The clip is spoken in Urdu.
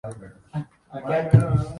جو بت قوم نوح میں پوجے جاتے تھے